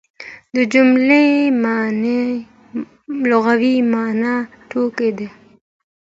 د جملې لغوي مانا ټولګه ده.